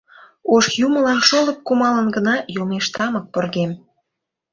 Ош юмылан шолып кумалын гына йомеш тамык поргем.